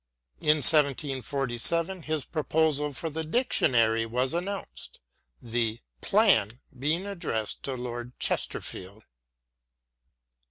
In 1747 his proposal for the Dictionary was announced, the " Plan " being addressed to Lord Chesterfield.